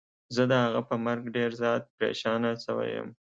زه د هغه په مرګ ډير زيات پريشانه سوی يم.